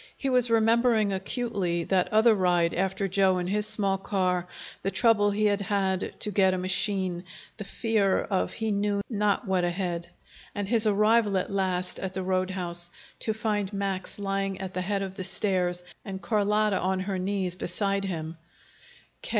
He was remembering acutely that other ride after Joe in his small car, the trouble he had had to get a machine, the fear of he knew not what ahead, and his arrival at last at the road house, to find Max lying at the head of the stairs and Carlotta on her knees beside him.